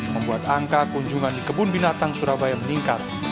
membuat angka kunjungan di kebun binatang surabaya meningkat